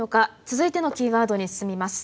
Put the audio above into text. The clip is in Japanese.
続いてのキーワードに進みます。